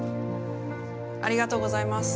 ありがとうございます。